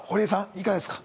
いかがですか？